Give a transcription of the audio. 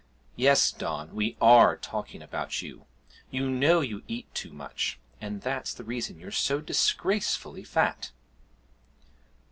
'Yes, Don, we are talking about you. You know you eat too much, and that's the reason you're so disgracefully fat!'